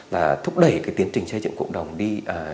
là thúc đẩy cái tiến trình xây dựng cộng đồng đi